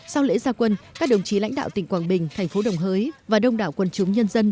sau lễ gia quân các đồng chí lãnh đạo tỉnh quảng bình thành phố đồng hới và đông đảo quân chúng nhân dân